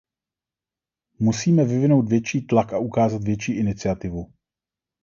Musíme vyvinout větší tlak a ukázat větší iniciativu.